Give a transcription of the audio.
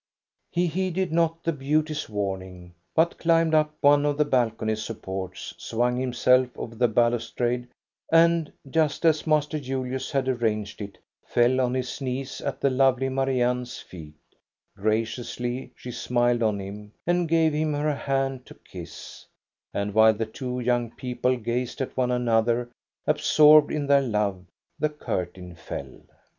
He heeded not the beauty's warning, but climbed up one of the balcony supports, swung himself over the balustrade, and, just as Master Julius had arranged it, fell on his knees at the lovely Marianne's feet THE BALL AT EKEBY 89 Graciously she smiled on him, and gave hini her hand to kiss, and while the two young people gazed at one another, absorbed in their love, the curtain fell.